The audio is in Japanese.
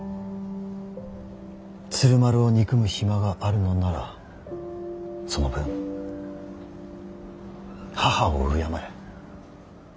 鶴丸を憎む暇があるのならその分母を敬え。